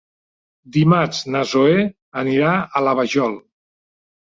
Dimarts na Zoè anirà a la Vajol.